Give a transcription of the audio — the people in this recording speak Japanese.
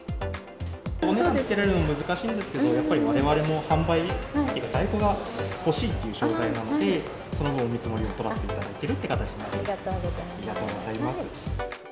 お値段つけるのも難しいんですけど、やっぱりわれわれも販売っていうか、在庫が欲しいっていう商材なので、その分、お見積もりを取らせていありがとうございます。